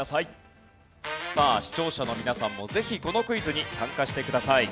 さあ視聴者の皆さんもぜひこのクイズに参加してください。